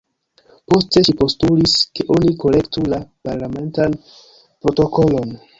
Poste ŝi postulis, ke oni korektu la parlamentan protokolon.